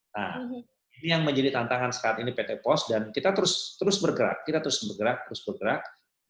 nah ini yang menjadi tantangan saat ini pt pos dan kita terus bergerak kita terus bergerak terus bergerak